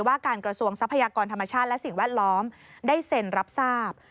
ว่าการกระทรวงทรัพยากรธรรมชาติและสิ่งแวดล้อมได้เซ็นรับทราบ